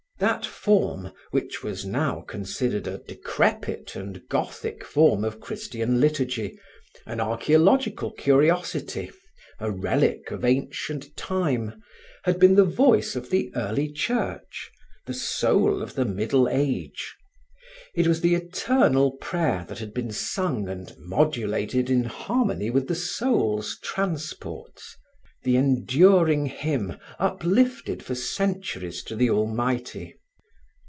That form which was now considered a decrepit and Gothic form of Christian liturgy, an archaeological curiosity, a relic of ancient time, had been the voice of the early Church, the soul of the Middle Age. It was the eternal prayer that had been sung and modulated in harmony with the soul's transports, the enduring hymn uplifted for centuries to the Almighty.